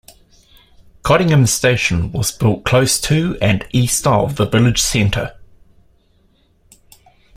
Cottingham station was built close to and east of the village centre.